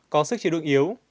có sức chịu đựng yếu